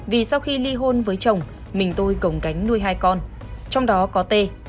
vì sau khi ly hôn với chồng mình tôi cổng cánh nuôi hai con trong đó có tê